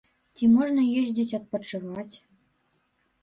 Ці можна ездзіць адпачываць.